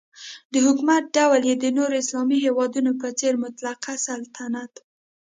د حکومت ډول یې د نورو اسلامي هیوادونو په څېر مطلقه سلطنت و.